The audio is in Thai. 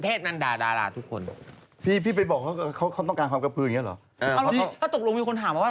เขาไม่ใช่ทาซานทีเขาจะได้โหลไปเรื่อยอย่างนั้นนะ